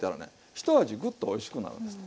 ひと味グッとおいしくなるんですね。